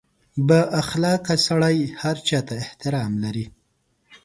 • بااخلاقه سړی هر چا ته احترام لري.